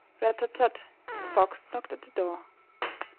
Rat tat tat!" the Fox knocked at the door.